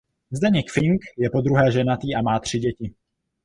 Zdeněk Fink je po druhé ženatý a má tři děti.